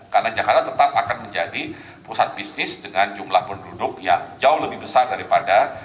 karena jakarta tetap akan menjadi pusat bisnis dengan jumlah penduduk yang jauh lebih besar daripada